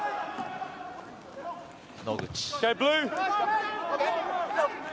野口。